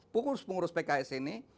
pengurus pengurus pks ini